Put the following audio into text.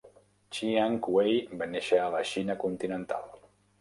Chiang Kuei va néixer a la Xina continental.